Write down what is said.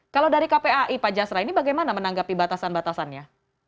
kalau dari kpai pak jasra ini bagaimana menanggapi batasan batasannya